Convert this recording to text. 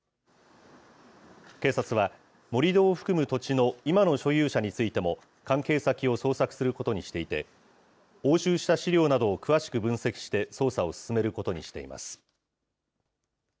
警察は、盛り土を含む土地の今の所有者についても、関係先を捜索することにしていて、押収した資料などを詳しく分析して、捜査を進めることにしています。